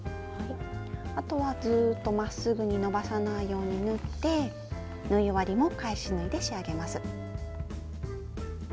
あとはずっとまっすぐに伸ばさないように縫って縫い終わりも返し縫いで仕上げます。